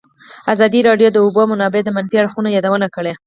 ازادي راډیو د د اوبو منابع د منفي اړخونو یادونه کړې.